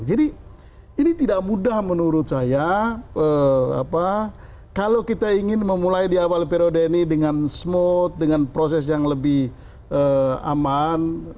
jadi ini tidak mudah menurut saya kalau kita ingin memulai di awal periode ini dengan smooth dengan proses yang lebih aman